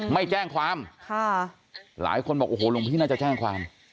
ไม่แจ้งความค่ะหลายคนบอกโอ้โหหลวงพี่น่าจะแจ้งความ